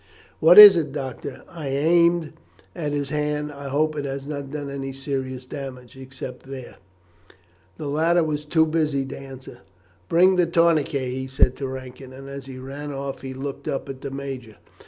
"What is it, doctor? I aimed at his hand. I hope it has not done any serious damage, except there." The latter was too busy to answer. "Bring the tourniquet," he said to Rankin, and as he ran off he looked up at the major.